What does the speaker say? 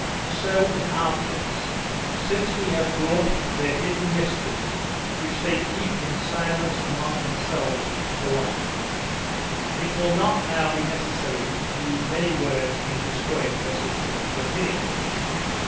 So, in our case, since we have brought their hidden mysteries, which they keep in silence among themselves, to the light, it will not now be necessary to use many words in destroying their system of opinions.